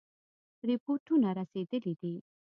رپوټونه رسېدلي دي.